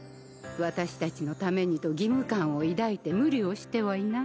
私たちのためにと義務感を抱いて無理をしてはいない？